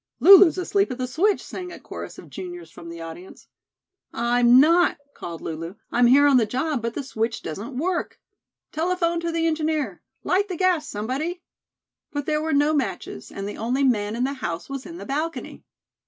"Lulu's asleep at the switch," sang a chorus of juniors from the audience. "I'm not," called Lulu. "I'm here on the job, but the switch doesn't work." "Telephone to the engineer." "Light the gas somebody." But there were no matches, and the only man in the house was in the balcony.